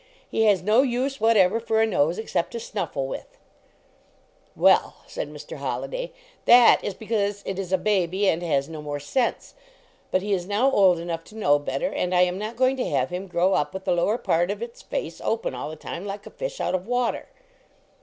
He has no use whatever for a nose except to snuffle with." "Well," said Mr. Holliday, "that is be 12 LEARNING TO BREATH K cause it is a baby and has no more sense. But he is now old enough to know better, and I am not going to have him grow up with the lower part of its face open all the time like a fish out of water.